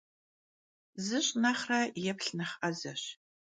Zış' nexhre yêplh nexh 'ezeş.